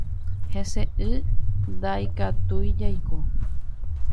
Heseʼỹ ndaikatúi jaiko.